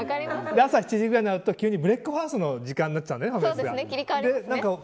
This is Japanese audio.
朝７時ぐらいになると急にブレックファストの時間になるんだよね。